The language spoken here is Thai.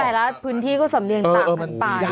แต่ละพื้นที่ก็สำเนียงต่างกันไป